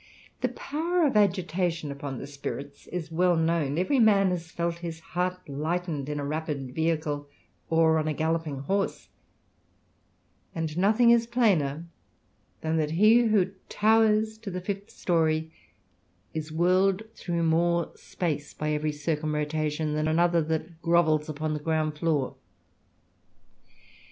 The power of agitation upon the spirits is well known ; every man has felt his heart lightened in a rapid vehicle, or on a galloping horse ; and nothing is plainer, than that he who towers to the fifth storey, is whirled through more space by every circumr rotation, than another that grovels upon the ground floor.